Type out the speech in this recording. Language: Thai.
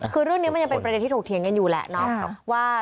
คือเรื่องนี้มันยังเป็นประเด็นที่ถกเถียงกันอยู่แหละเนาะว่า